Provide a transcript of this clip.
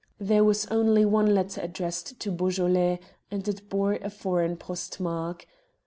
There was only one letter addressed to Beaujolais, and it bore a foreign postmark.